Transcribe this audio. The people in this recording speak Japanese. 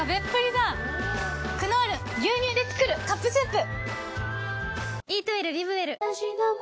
「クノール牛乳でつくるカップスープ」